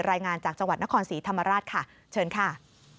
รายงานจากจังหวัดนครศรีธรรมราชค่ะเชิญค่ะ